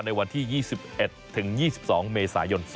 ในวันที่๒๑๒๒เมษายน